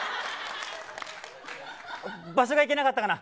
場所がいけなかったかな。